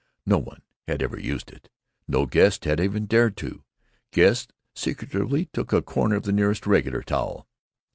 No one had ever used it. No guest had ever dared to. Guests secretively took a corner of the nearest regular towel.